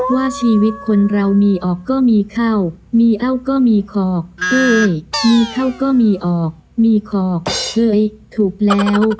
ว่าชีวิตคนเรามีออกก็มีเข้ามีเอ้าก็มีคอกเอ้ยมีเข้าก็มีออกมีขอกเอ้ยถูกแล้ว